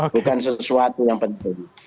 bukan sesuatu yang penting